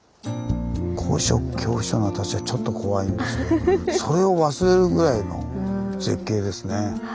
高所恐怖症の私はちょっと怖いんですけどそれを忘れるぐらいの絶景ですね。